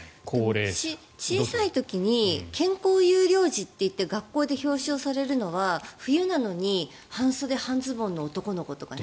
小さい時に健康優良児って言って学校で表彰されるのは冬なのに半袖、半ズボンの男の子とかね